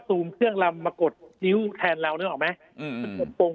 ซูมเครื่องลำมากดนิ้วแทนเราเนี้ยออกไหมอืมกดปุ่ม